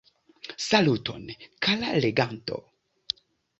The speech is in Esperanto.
Saluton, kara leganto!